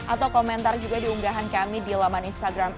atau komentar juga di unggahan kami di laman instagram